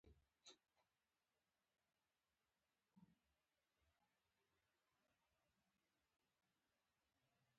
ويې ويل: پر جنګي کلا حمله اسانه خبره نه ده!